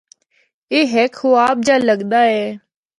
اے ہک خواب جا لگدا اے۔